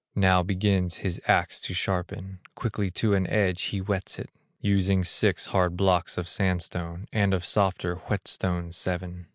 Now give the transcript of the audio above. Now begins his axe to sharpen, Quickly to an edge he whets it, Using six hard blocks of sandstone, And of softer whetstones, seven.